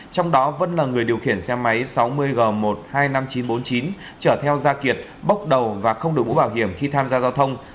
trong đó vân là người điều khiển xe máy sáu mươi g một trăm hai mươi năm nghìn chín trăm bốn mươi chín chở theo da kiệt bốc đầu và không đổi mũ bảo hiểm khi tham gia giao thông